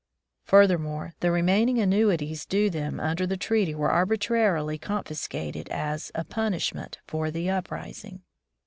Furthermore, the remaining annuities due them under the treaty were arbitrarily confiscated as a "punishment" for the uprising.